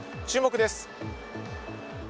注目です。